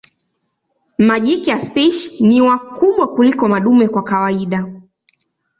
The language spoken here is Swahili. Majike ya spishi ni wakubwa kuliko madume kwa kawaida.